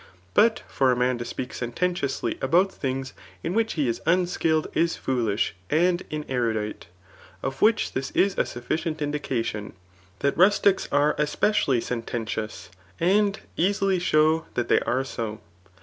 But fbr a man to speak sen* tentiously about things in which he is unskilled is^faoU^. and inerudite^ of which this is a suiEcient iDdi<?ation,!tlia£r inisfics are esp^ially sententioos,>and easily show that they* ^e so.